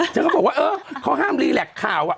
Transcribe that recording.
เธอบอกว่าเขาห้ามรีแหลกข่าวอะ